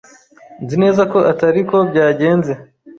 Nzi neza ko atari ko byagenze.